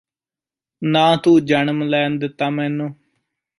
ਨਾਂ ਤੂੰ ਜਨਮ ਲੈਣ ਦਿਤਾ ਮੈਨੂੰ